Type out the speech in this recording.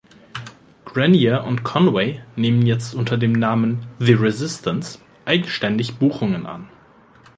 Grenier und Conway nehmen jetzt unter dem Namen „The Resistance“ eigenständig Buchungen an.